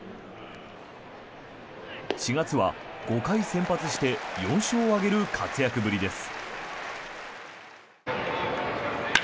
４月は５回先発して４勝を挙げる活躍ぶりです。